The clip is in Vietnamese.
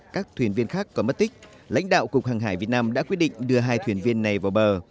các thuyền viên khác có mất tích lãnh đạo cục hàng hải việt nam đã quyết định đưa hai thuyền viên này vào bờ